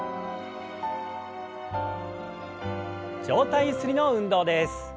上体ゆすりの運動です。